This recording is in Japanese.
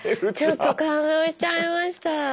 ちょっと感動しちゃいました。